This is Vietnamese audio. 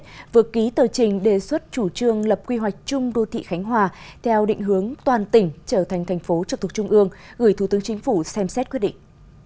hội trình đề xuất chủ trương lập quy hoạch chung đô thị khánh hòa theo định hướng toàn tỉnh trở thành thành phố trực thuộc trung ương gửi thủ tướng chính phủ xem xét quyết định